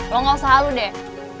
lo gak usah hal lo deh